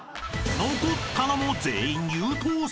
［残ったのも全員優等生］